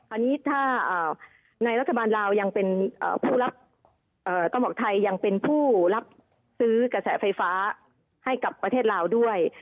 อันนี้ถ้าในรัฐบาลลาวยังเป็นผู้รับกระแสไฟฟ้าให้กับประเทศลาวด้วย